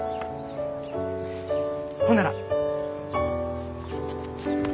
ほんなら。